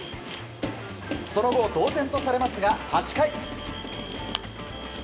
その後、同点とされますが８回。